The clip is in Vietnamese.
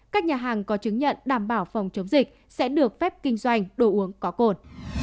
các nhà hàng có chứng nhận đảm bảo phòng chống dịch sẽ được phép kinh doanh đồ uống có cồn